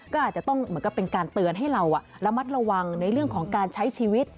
ก็อาจจะต้องเหมือนกับเป็นการเตือนให้เราระมัดระวังในเรื่องของการใช้ชีวิต